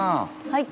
はい。